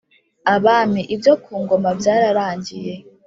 Abami ibyo ku ngoma byararangiye